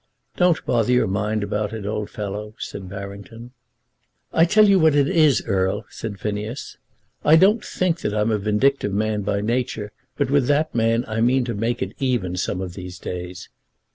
"Don't bother your mind about it, old fellow," said Barrington. "I tell you what it is, Erle," said Phineas. "I don't think that I'm a vindictive man by nature, but with that man I mean to make it even some of these days.